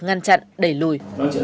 ngăn chặn đẩy lùi